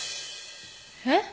えっ？